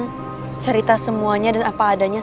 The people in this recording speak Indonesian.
gimana caranya biar putri bisa ngerti dan mau ngelakuin hal ini